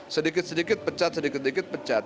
sedikit sedikit pecat sedikit sedikit pecat